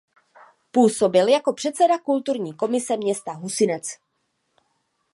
Působil jako předseda kulturní komise města Husinec.